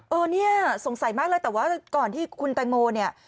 เออเนี่ยสงสัยมากเลยแต่ว่าก่อนที่คุณแตงโมเนี่ย